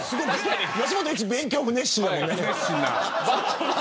吉本一の勉強不熱心だもんね。